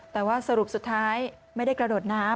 แต่ว่าสรุปสุดท้ายไม่ได้กระโดดน้ำ